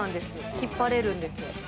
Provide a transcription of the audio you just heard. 引っ張れるんですよ。